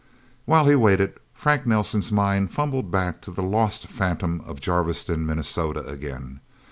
While he waited, Frank Nelsen's mind fumbled back to the lost phantom of Jarviston, Minnesota, again.